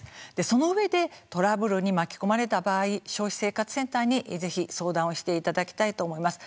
そのうえでトラブルに巻き込まれた場合消費生活センターにぜひ相談をしていただきたいと思います。